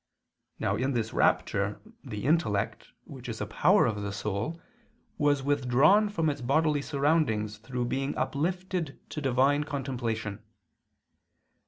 Now in this rapture the intellect, which is a power of the soul, was withdrawn from its bodily surroundings through being uplifted to divine contemplation.